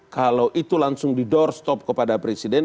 kalau itu langsung di doorstop kepada presiden